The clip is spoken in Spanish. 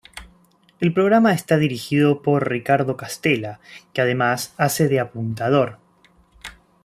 El programa está dirigido por Ricardo Castella, que además hace de apuntador.